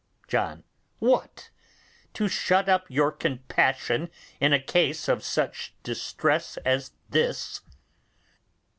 John. What! To shut up your compassion in a case of such distress as this?